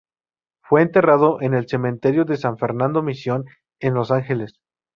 Fue enterrado en el Cementerio de San Fernando Mission, en Los Ángeles.